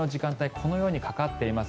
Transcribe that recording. このようにかかっています。